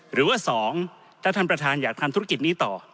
หรือว่า๒ถ้าท่านประธานอยากทำธุรกิจนี้ต่อ